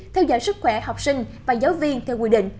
theo dõi sức khỏe học sinh và giáo viên theo quy định